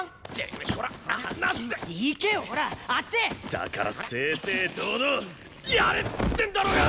だから正々堂々やれっつってんだろうが！